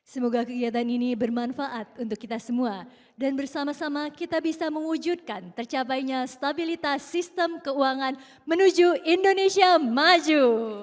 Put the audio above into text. semoga kegiatan ini bermanfaat untuk kita semua dan bersama sama kita bisa mewujudkan tercapainya stabilitas sistem keuangan menuju indonesia maju